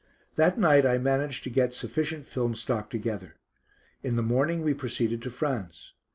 That night I managed to get sufficient film stock together. In the morning we proceeded to France.